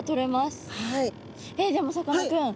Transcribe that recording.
でもさかなクン。